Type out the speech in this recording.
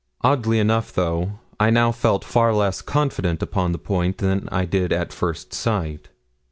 Oddly enough, though, I now felt far less confident upon the point than I did at first sight.